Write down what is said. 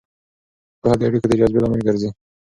پوهه د اړیکو د جذبې لامل ګرځي.